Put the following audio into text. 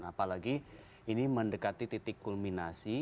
apalagi ini mendekati titik kulminasi